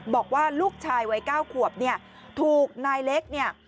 บอกว่าลูกชายวัย๙ขวบเนี่ยถูกนายเล็กเนี่ย